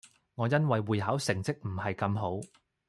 我因為會考成績唔係咁好